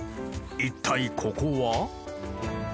一体ここは？